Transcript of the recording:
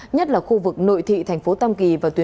nhất là khu vực nội thị thành phố tâm kỳ và thủ đô